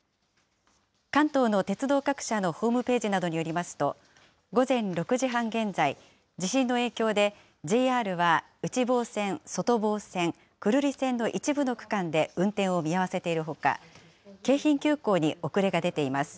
関東の鉄道各社のホームページなどによりますと、午前６時半現在、地震の影響で、ＪＲは内房線、外房線、久留里線の一部の区間で運転を見合わせているほか、京浜急行に遅れが出ています。